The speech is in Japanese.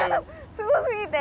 すごすぎて？